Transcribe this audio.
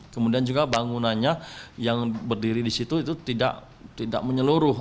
kemudian juga bangunannya yang berdiri di situ itu tidak menyeluruh